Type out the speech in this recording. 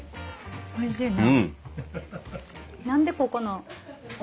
おいしいな。